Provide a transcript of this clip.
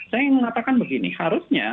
saya mengatakan begini harusnya